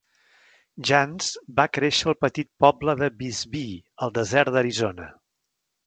Jance va créixer al petit poble de Bisbee, al desert d'Arizona.